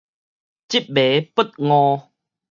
執迷不悟